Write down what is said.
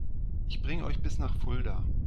Ich bringe euch bis nach Fulda